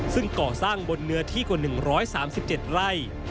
ซึ่งก่อสร้างบนเนื้อที่กว่า๑๓๗ไร่